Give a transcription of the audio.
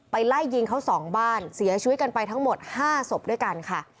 ไล่ยิงเขา๒บ้านเสียชีวิตกันไปทั้งหมด๕ศพด้วยกันค่ะ